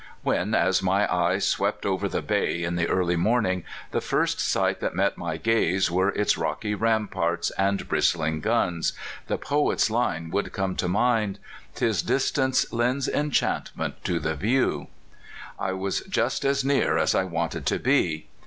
When, as my eye swept over the bay in the early morning, the first sight that met my gaze was its rocky ramparts and bristling guns, the poet's li lie would come to mind: "Tis distance lends enchantment to the view." I was just as close as I wanted to be..